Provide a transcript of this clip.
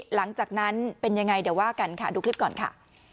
หลังจากนั้นเป็นยังไงเดี๋ยวว่ากันค่ะดูคลิปก่อนค่ะ